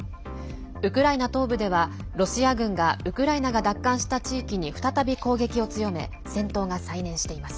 ウクライナ東部ではロシア軍がウクライナ東部ではロシア軍が奪還した地域に再び攻撃を強め戦闘が再燃しています。